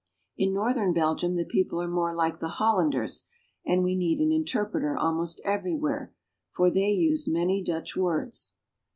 In northern Belgium the people are more like the Hol landers, and we need an interpreter almost everywhere, for they use many Dutch words.